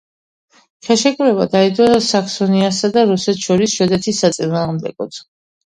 ხელშეკრულება დაიდო საქსონიასა და რუსეთს შორის შვედეთის საწინააღმდეგოდ.